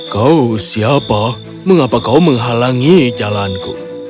kau siapa mengapa kau menghalangi jalanku